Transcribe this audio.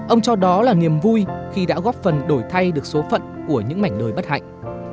ông cho đó là niềm vui khi đã góp phần đổi thay được số phận của những mảnh đời bất hạnh